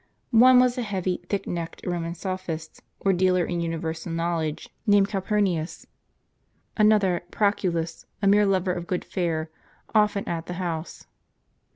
One was a heavy, thick necked Roman sophist, or dealer in universal knowledge, named Cal purnius ; another, Proculus, a mere lover of good fare, often at the house.